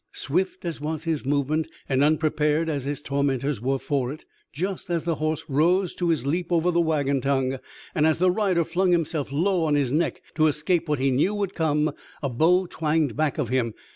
Swift as was his movement, and unprepared as his tormentors were for it, just as the horse rose to his leap over the wagon tongue, and as the rider flung himself low on his neck to escape what he knew would come, a bow twanged back of him.